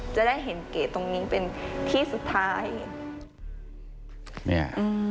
จะได้เห็นเก๋ตรงนี้เป็นที่สุดท้าย